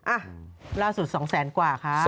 อ่ะล่าสุด๒แสนกว่าคะ